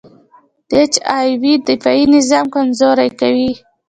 د اچ آی وي دفاعي نظام کمزوری کوي.